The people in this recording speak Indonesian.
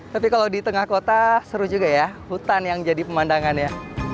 tapi kalau di tengah kota seru juga ya hutan yang jadi pemandangannya